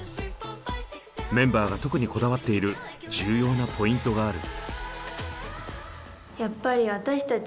メンバーが特にこだわっている重要なポイントがある。